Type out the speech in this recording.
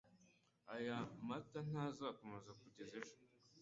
Aya mata ntazakomeza kugeza ejo.